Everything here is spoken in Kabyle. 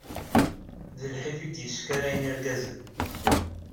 D lḥif i d-yeskarayen irgazen.